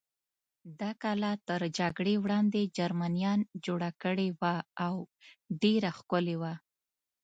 دا کلا تر جګړې وړاندې جرمنیان جوړه کړې وه او ډېره ښکلې وه.